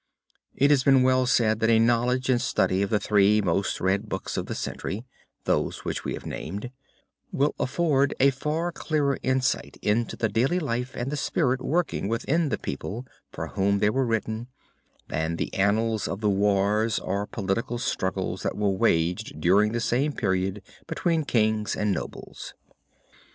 It has been well said that a knowledge and study of the three most read books of the century, those which we have named, will afford a far clearer insight into the daily life and the spirit working within the people for whom they were written, than the annals of the wars or political struggles that were waged during the same period between kings and nobles.